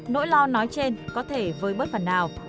nỗi lo nói trên có thể với bớt phần nào